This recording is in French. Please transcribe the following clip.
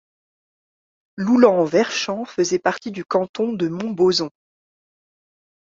Loulans-Verchamp faisait partie du canton de Montbozon.